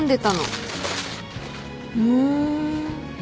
ふん。